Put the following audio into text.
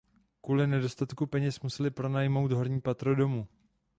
Kvůli nedostatku peněz museli pronajmout horní patro domu.